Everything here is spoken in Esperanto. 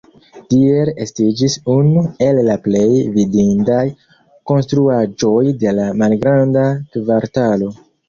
Tiel estiĝis unu el la plej vidindaj konstruaĵoj de la Malgranda Kvartalo.